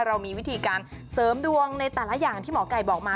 เรามีวิธีการเสริมดวงในแต่ละอย่างที่หมอไก่บอกมา